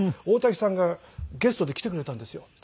大滝さんがゲストで来てくれたんですよ。